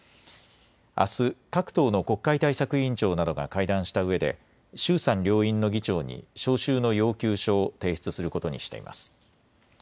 あす、各党の国会対策委員長などが会談したうえで、衆参両院の議長に召集の要求書を提出することにしています。